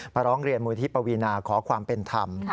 ร้องเรียนมูลที่ปวีนาขอความเป็นธรรม